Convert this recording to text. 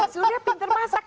surya pinter masak